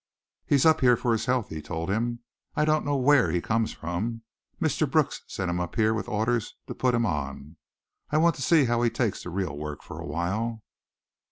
"He's up here for his health," he told him. "I don't know where he comes from. Mr. Brooks sent him up here with orders to put him on. I want to see how he takes to real work for awhile."